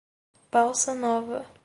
Balsa Nova